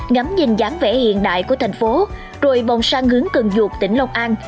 ngắm nhìn dáng vẽ hiện đại của thành phố rồi vòng sang hướng cường ruột tỉnh long an